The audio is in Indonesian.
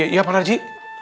iya pak narji